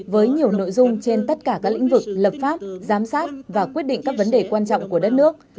với nhiều nội dung trên tất cả các lĩnh vực lập pháp giám sát và quyết định các vấn đề quan trọng của đất nước